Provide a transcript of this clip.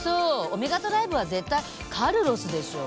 オメガトライブは絶対カルロスでしょ。